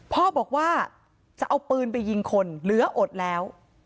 พ่อบอกว่าจะเอาปืนไปยิงคนเหลืออดแล้ว